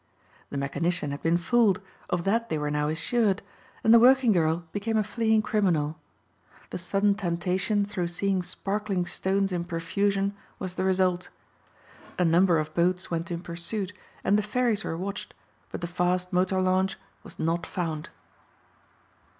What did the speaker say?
The mechanician had been fooled, of that they were now assured, and the working girl became a fleeing criminal. The sudden temptation through seeing sparkling stones in profusion was the result. A number of boats went in pursuit and the ferries were watched, but the fast motor launch was not found.